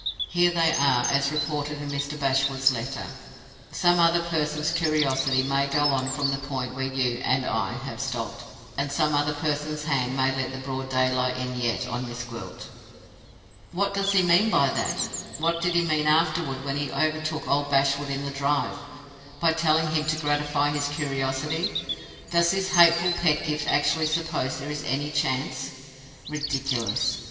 Here they are, as reported in Mr. Bashwood's letter: 'Some other person's curiosity may go on from the point where you (and I) have stopped, and some other person's hand may let the broad daylight in yet on Miss Gwilt.' "What does he mean by that? And what did he mean afterward when he overtook old Bashwood in the drive, by telling him to gratify his curiosity? Does this hateful Pedgift actually suppose there is any chance ? Ridiculous!